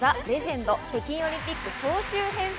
ＴＨＥ★レジェンド』北京オリンピック総集編